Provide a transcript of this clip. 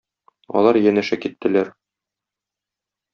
Алар янәшә киттеләр.